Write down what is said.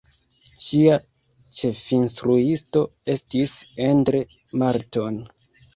Ŝia ĉefinstruisto estis Endre Marton.